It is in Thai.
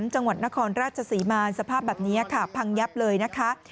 จังหวัดนครราชสีมาสภาพบัดเดียค่าพังยับเลยนะคะ